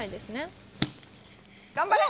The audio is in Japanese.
頑張れ！